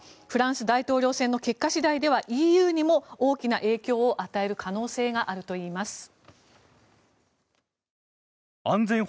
フランス大統領選の結果次第ではＥＵにも大きな影響を与える可能性があるといいます。